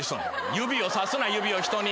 指をさすな指を人に。